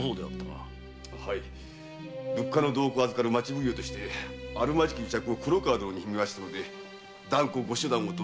はい物価の動向を預かる町奉行としてあるまじき癒着を黒河殿に見ましたので断固ご処断をと。